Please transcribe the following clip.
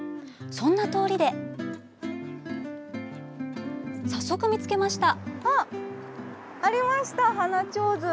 そんな通りで早速見つけました。